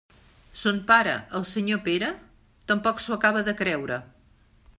Son pare, el senyor Pere, tampoc s'ho acaba de creure.